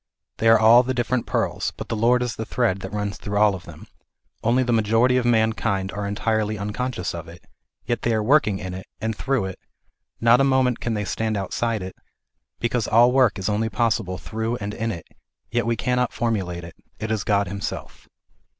They are all the different pearls, but the Lord is the thread that runs through all of them, only the majority of mankind are entirely unconscious of it ; yet they are working in it, and through it ; not a moment can they stand outside it, because all work is only possible through and in it ; yet we cannot formulate it, it is God Himself.